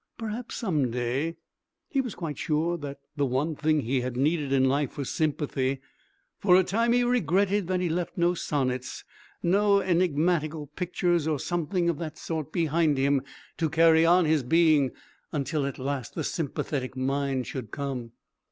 Perhaps some day ... He was quite sure that the one thing he had needed in life was sympathy. For a time he regretted that he left no sonnets no enigmatical pictures or something of that sort behind him to carry on his being until at last the sympathetic mind should come....